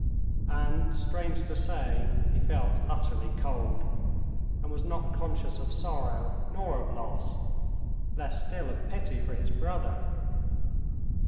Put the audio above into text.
And, strange to say, he felt utterly cold, and was not conscious of sorrow nor of loss, less still of pity for his brother.